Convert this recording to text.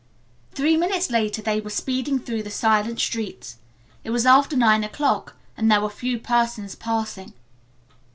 Three minutes later they were speeding through the silent streets. It was after nine o'clock and there were few persons passing.